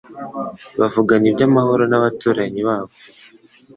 bavugana iby’amahoro n’abaturanyi babo